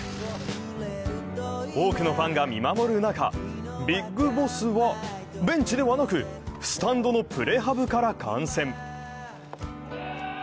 多くのファンが見守る中ビッグボスはベンチではなく、スタンドのプレハブから観戦。